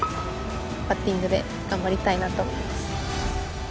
パッティングで頑張りたいなと思います。